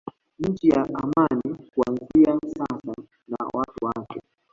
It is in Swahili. Nchi ya amani kuanzia siasa na watu wake